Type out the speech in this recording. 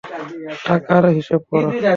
টাকা হিসাব কর।